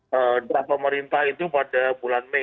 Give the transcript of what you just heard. perintah pemerintah itu pada bulan mei